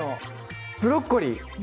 ブロッコリー？